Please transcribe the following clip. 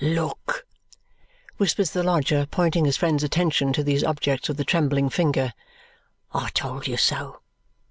"Look!" whispers the lodger, pointing his friend's attention to these objects with a trembling finger. "I told you so.